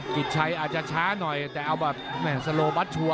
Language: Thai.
กิจชัยอาจจะช้าหน่อยแต่เอาแบบแม่สโลบัสชัวร์